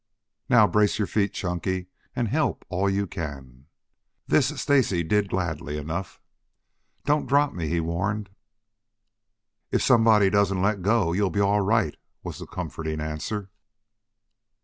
"Now brace your feet, Chunky, and help all you can." This Stacy did gladly enough. "Don't drop me," he warned. "If somebody doesn't let go you'll be all right," was the comforting answer.